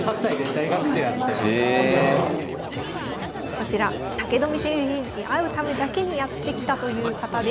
こちら武富先生に会うためだけにやって来たという方です。